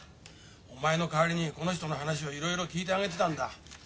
お前のかわりにこの人の話をいろいろ聞いてあげてたんだ。